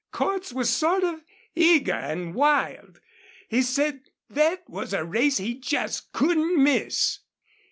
Cordts was sort of eager an' wild. He said thet was a race he jest couldn't miss.